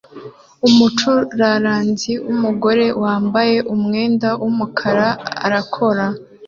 Umucuraranzi wumugore wambaye umwenda wumukara arakora